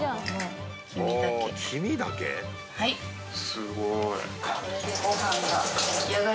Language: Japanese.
すごい。